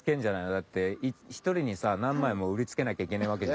だって１人にさ何枚も売りつけなきゃいけないわけじゃん。